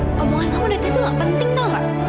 ngomongan kamu dari tadi tuh gak penting tau gak